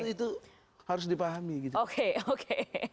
itu harus dipahami gitu oke